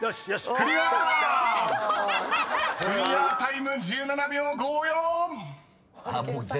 ［クリアタイム１７秒５４！］